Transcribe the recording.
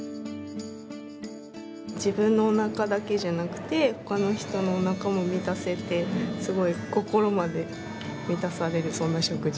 自分のお腹だけじゃなくてほかの人のお腹も満たせてすごい心まで満たされるそんな食事です。